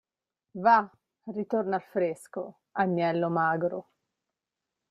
Va, ritorna al fresco, agnello magro!